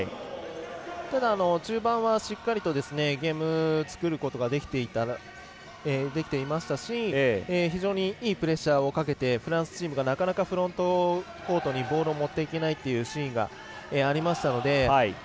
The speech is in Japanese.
ただ、中盤はしっかりとゲームを作ることができていましたし非常にいいプレッシャーをかけてフランスチームがなかなかフロントコートにボールを持っていけないというシーンがありましたので。